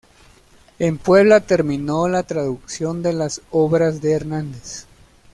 En Puebla terminó la traducción de las obras de Hernández.